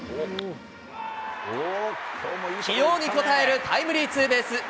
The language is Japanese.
起用に応えるタイムリーツーベース。